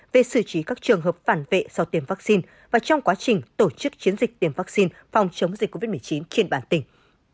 về xử trí các trường hợp phản vệ sau tiêm vaccine và trong quá trình tổ chức chiến dịch tiêm vaccine phòng chống dịch covid một mươi chín trên địa bàn tỉnh